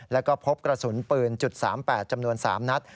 แล้วก็พบกระสุนปืน๓๘จำนวน๓นัด